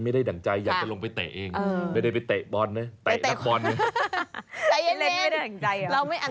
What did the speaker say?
ไม่ได้ดั่งใจจะลงไปเตะเองไม่ไปเตะบอลนะ